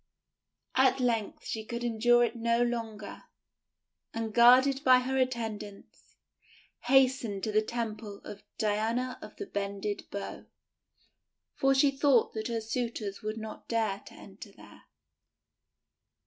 At length she could endure it no longer, and, guarded by her attendants, hastened to the temple of Diana of the Bended Bow, for she thought that her suitors would not dare to enter there.